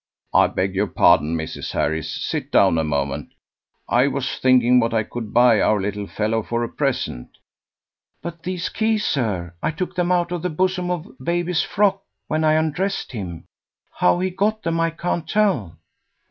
"I beg your pardon, Mrs. Harris; sit down a moment. I was thinking what I could buy our little fellow for a present." "But these keys, sir? I took them out of the bosom of baby's frock when I undressed him. How he got them I can't tell."